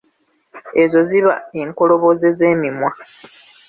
Ezo ziba enkoloboze z'emimwa.